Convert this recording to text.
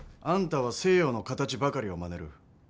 あんたは西洋の形ばかりをまねる。